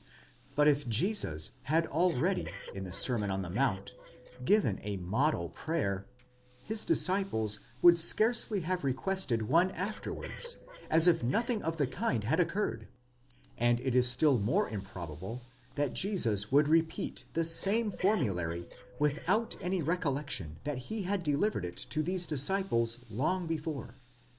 24 But if Jesus had already in the Sermon on the Mount given a model prayer, his disciples would scarcely have requested one afterwards, as if nothing of the kind had occurred ; and it is still more improbable that Jesus would repeat the same formulary, without any recollec tion that he had delivered it to these disciples long before.